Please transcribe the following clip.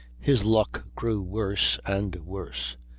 His luck grew worse and worse.